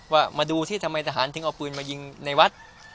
ว่ามาดูที่ทำไมทหารถึงเอาปืนมายิงในวัด